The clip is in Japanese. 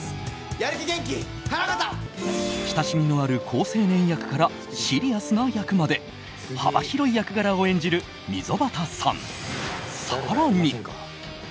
親しみのある好青年役からシリアスな役まで幅広い役柄を演じる溝端さん、更に。